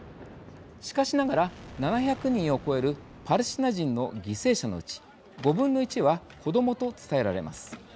しかしながら７００人を超えるパレスチナ人の犠牲者のうち５分の１は子どもと伝えられます。